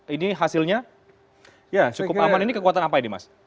ini hasilnya cukup aman ini kekuatan apa ini mas